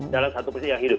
dalam satu prinsip yang hidup